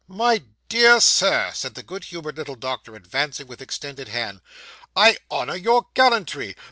'My dear Sir,' said the good humoured little doctor advancing with extended hand, 'I honour your gallantry.